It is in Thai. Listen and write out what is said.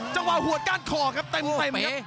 จังหวะหัวก้านคอครับเต็มครับ